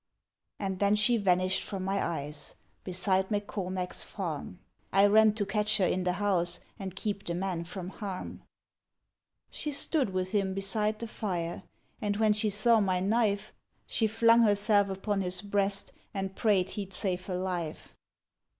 And then she vanished from my eyes Beside M'Cormac's farm, 28 THE WHITE WITCH I ran to catch her in the house And keep the man from harm. She stood with him beside the fire, And when she saw my knife, She flung herself upon his breast And prayed he 'd save her life.